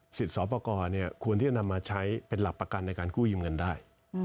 โสสิทธิ์เสาปกรควรที่จะนำมาใช้เป็นหลับประกันในการกู้ยืมกันได้